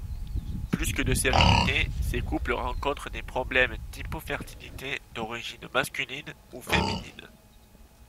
Plus que de stérilité, ces couples rencontrent des problèmes d’hypofertilité d’origine masculine ou féminine.